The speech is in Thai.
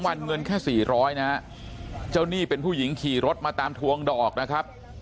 วันเงินแค่สี่ร้อยนะฮะเจ้าหนี้เป็นผู้หญิงขี่รถมาตามทวงดอกนะครับ